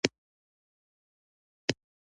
او ځواب ته په چتموالي پیل کړی وي.